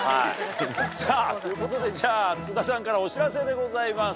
さぁということで津田さんからお知らせでございます。